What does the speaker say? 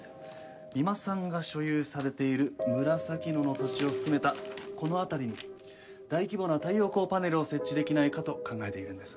三馬さんが所有されている紫野の土地を含めたこの辺りに大規模な太陽光パネルを設置できないかと考えているんです。